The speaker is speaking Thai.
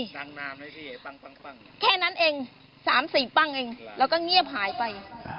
ดังนามนะพี่ปั้งปั้งปั้งแค่นั้นเองสามสิบปั้งเองแล้วก็เงียบหายไป